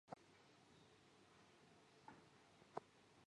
投资的企业一般具有很好的盈利能力和上市规模。